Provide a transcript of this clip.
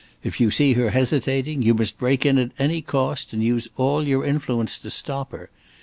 If you see her hesitating, you must break in at any cost, and use all your influence to stop her.